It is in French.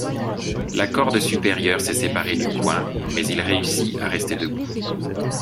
La corde supérieure s'est séparée du coin, mais il réussit à rester debout.